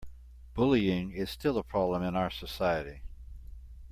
Bullying is still a problem in our society.